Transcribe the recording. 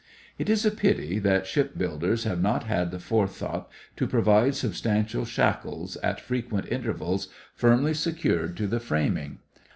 It is a pity that ship builders have not had the forethought to provide substantial shackles at frequent intervals firmly secured to the framing.